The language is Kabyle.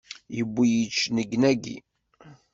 Yewwi-yi-d cennegnagi!